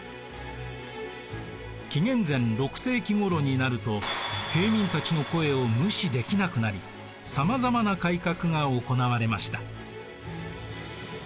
紀元前６世紀ごろになると平民たちの声を無視できなくなりさまざまな改革が行われました。